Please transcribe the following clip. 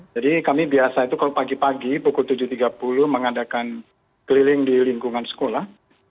jadi kami biasa itu kalau pagi pagi pukul tujuh tiga puluh mengadakan keliling di lingkungan sekolah